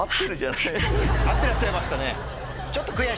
合ってらっしゃいましたね。